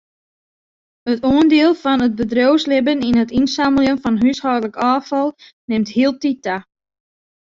It oandiel fan it bedriuwslibben yn it ynsammeljen fan húshâldlik ôffal nimt hieltyd ta.